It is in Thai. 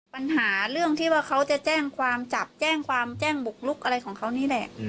ปัญหาเรื่องที่ว่าเขาจะแจ้งความจับแจ้งความแจ้งบุกลุกอะไรของเขานี่แหละ